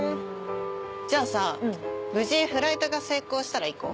じゃあさ無事フライトが成功したら行こう。